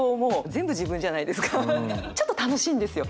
ちょっと楽しいんですよ。